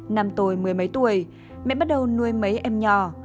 năm tôi mười mấy tuổi mẹ bắt đầu nuôi mấy em nhỏ